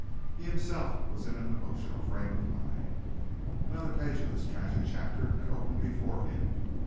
He himself was in an emotional frame of mind. Another page of this tragic chapter had opened before him.